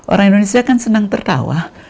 orang indonesia kan senang tertawa